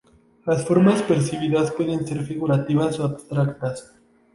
Las formas percibidas pueden ser figurativas o abstractas.